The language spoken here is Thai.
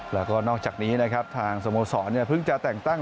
แล้วก็นอกจากนี้นะครับทางสโมสรเพิ่งจะแต่งตั้ง